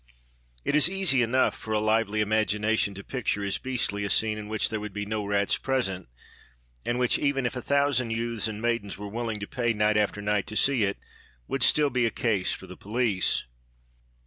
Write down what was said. It is easy enough for a lively imagination to picture as beastly a scene in which there would be no rats present, and which, even if a thousand youths and maidens were willing to pay night after night to see it, would still be a case for the police.